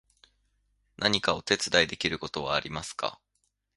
何かお手伝いできることはありますか？